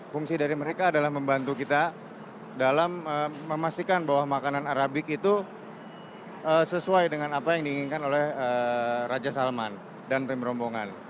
fungsi dari mereka adalah membantu kita dalam memastikan bahwa makanan arabik itu sesuai dengan apa yang diinginkan oleh raja salman dan pemrombongan